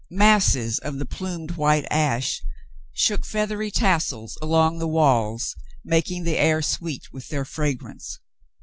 Masses of the plumed white ash shook feathery tassels along the walls, making the air sweet with their fragrance.